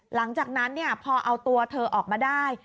หลังจากนั้นพอเอาตัวเธอออกมาได้